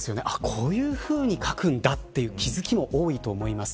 こういうふうに書くんだという気付きも多いと思います。